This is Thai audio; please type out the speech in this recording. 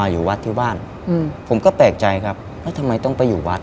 อยู่วัดที่บ้านผมก็แปลกใจครับแล้วทำไมต้องไปอยู่วัด